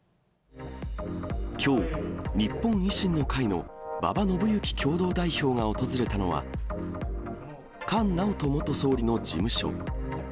きょう、日本維新の会の馬場伸幸共同代表が訪れたのは、菅直人元総理の事務所。